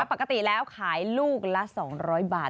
ปกติแล้วขายลูกละ๒๐๐บาท